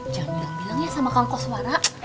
jangan hilang bilang ya sama kawan koswara